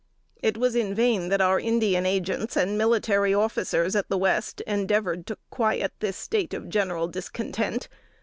It was in vain that our Indian agents and military officers at the West endeavored to quiet this state of general discontent.